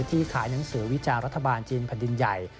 ที่ขายหนังสือวิจารณ์รัฐบาลจีนแผ่นดินใหญ่